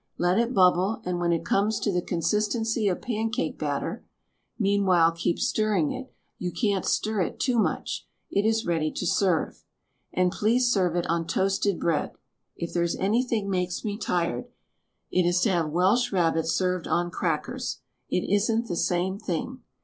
Let it bubble and when it comes to the consistency of pancake batter (meanwhile keep stirring it — you can't stir it too much!) it is ready to serve. And please serve it on toasted bread. If there is anything makes me tired, it is to have Welsh Rabbit served on crackers — it isn't the same thing.